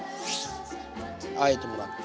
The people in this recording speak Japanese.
あえてもらって。